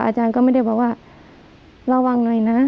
อาจารย์ก็ไม่ได้บอกว่าระวังหน่อยนะ